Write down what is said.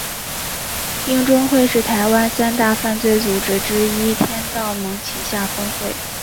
鹰中会是台湾三大犯罪组织之一天道盟旗下分会。